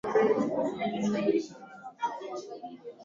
kwa njia ya mateso na kwa kuwa na sera ambazo ziliporomosha uchumi wa Cuba